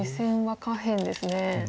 下辺ですね。